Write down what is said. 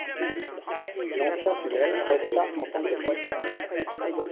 L'ancien tunnel resta en tant que voie de garage.